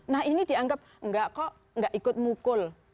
nah ini dianggap enggak kok nggak ikut mukul